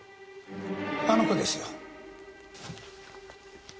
あの子ですよ。